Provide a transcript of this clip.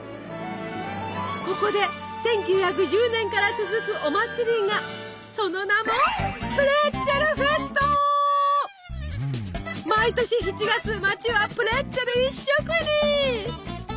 ここで１９１０年から続くお祭りがその名も毎年７月街はプレッツェル一色に！